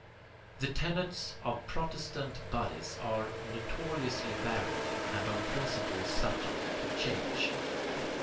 ] The tenets of Protestant bodies are notoriously varied and on principle subject to change.